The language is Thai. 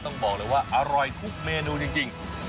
ต้องบอกเลยว่าอร่อยทุกเมนูจริง